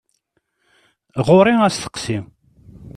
Ɣur-i asteqsi!